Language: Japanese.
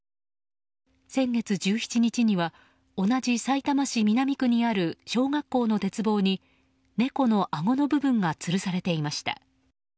先月１７日には同じさいたま市南区にある小学校の鉄棒に猫のあごの部分がつるされていました。